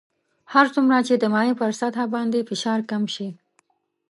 هر څومره چې د مایع پر سطح باندې فشار کم شي.